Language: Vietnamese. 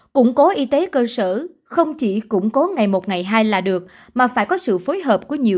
củng cố y tế cơ sở không chỉ củng cố ngày một ngày hai là được mà phải có sự phối hợp của nhiều